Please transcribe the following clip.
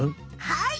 はい！